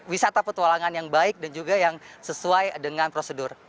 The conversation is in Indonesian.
wisata petualangan yang baik dan juga yang sesuai dengan prosedur